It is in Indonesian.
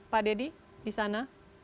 pak dedy di sana